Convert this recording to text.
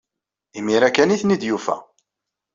Imir-a kan ay ten-id-yufa.